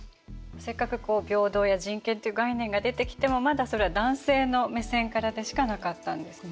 せっかく平等や人権っていう概念が出てきてもまだそれは男性の目線からでしかなかったんですね。